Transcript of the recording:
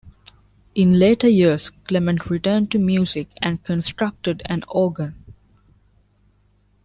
In later years, Clement returned to music and constructed an organ.